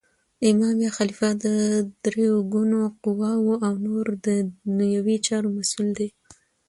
امام یا خلیفه د درو ګونو قوواو او نور دنیوي چارو مسول دی.